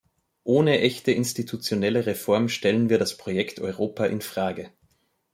Ohne echte institutionelle Reform stellen wir das Projekt Europa in Frage.